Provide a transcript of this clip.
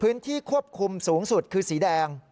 พื้นที่ควบคุมสูงสุดคือสีแดง